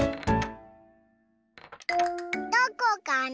どこかな？